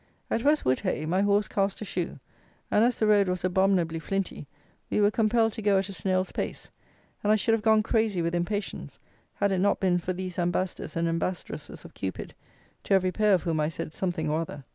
At West Woodhay my horse cast a shoe, and, as the road was abominably flinty, we were compelled to go at a snail's pace: and I should have gone crazy with impatience, had it not been for these ambassadors and ambassadresses of Cupid, to every pair of whom I said something or other.